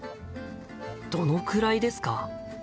どのくらいですか？